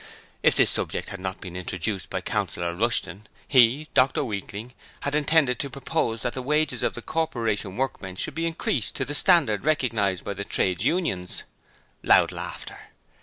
If this subject had not been introduced by Councillor Rushton, he (Dr Weakling) had intended to propose that the wages of the Corporation workmen should be increased to the standard recognized by the Trades Unions. (Loud laughter.)